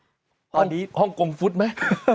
เป็นแบบว่าตอนนี้ฮอมกงฟุตไหม